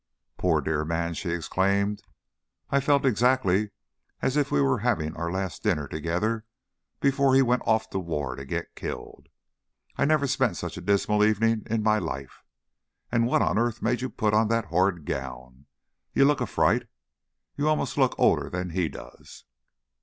"Poor dear man!" she exclaimed. "I felt exactly as if we were having our last dinner together before he went off to the war to get killed. I never spent such a dismal evening in my life. And what on earth made you put on that horrid gown? You look a fright you almost look older than he does."